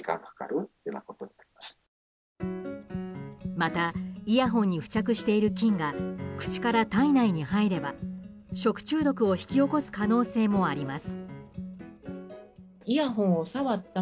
またイヤホンに付着している菌が、口から体内に入れば食中毒を引き起こす可能性もあります。